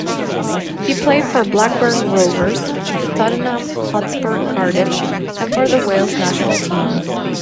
He played for Blackburn Rovers, Tottenham Hotspur, Cardiff, and for the Wales national team.